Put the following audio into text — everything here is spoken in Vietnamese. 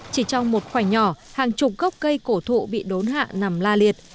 chỉ trong một khoảnh nhỏ hàng chục gốc cây cổ thụ bị đốn hạ nằm la liệt